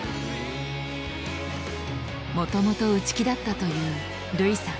もともと内気だったという琉偉さん。